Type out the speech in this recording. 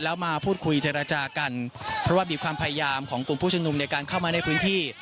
แล้วมาพูดคุยเจรจากันเพราะว่ามีความพยายามของกลุ่มผู้ชมนุมในการเข้ามาในพื้นที่